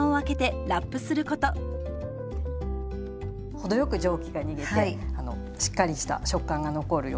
程よく蒸気が逃げてしっかりした食感が残るようになります。